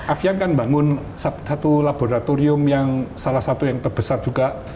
avian kan bangun satu laboratorium yang salah satu yang terbesar juga